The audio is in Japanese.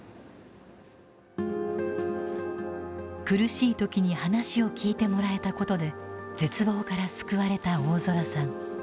苦しい時に話を聞いてもらえたことで絶望から救われた大空さん。